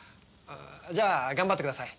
じゃあ頑張ってください。